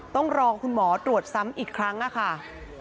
ต้องรอคุณหมอตรวจซ้ำอีกครั้งค่ะ